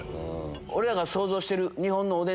俺らが想像してる。